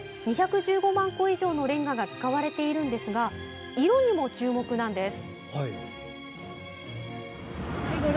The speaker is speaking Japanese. ２１５万個以上のレンガが使われているんですが色にも注目なんです。